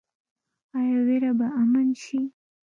آیا ویره به امن شي؟